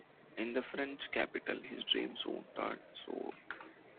In the French capital, his dream soon turned sour.